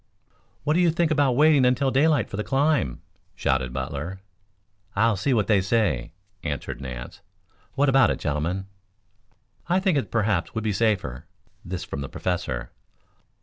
"What do you think about waiting until daylight for the climb?" shouted Butler. "I'll see what they say," answered Nance. "What about it, gentlemen?" "I think it perhaps would be safer." This from the Professor.